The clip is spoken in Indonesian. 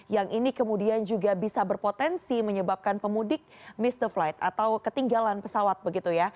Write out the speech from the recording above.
yang ini kemudian juga bisa berpotensi menyebabkan pemudik mister flight atau ketinggalan pesawat begitu ya